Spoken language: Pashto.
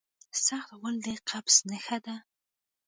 سخت غول د قبض نښه ده.